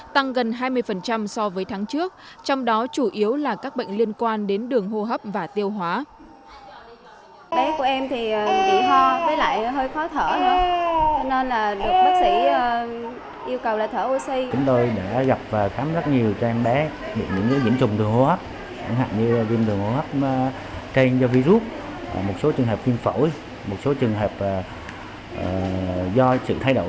tăng gần hai mươi so với tháng trước trong đó chủ yếu là các bệnh liên quan đến đường hô hấp và tiêu hóa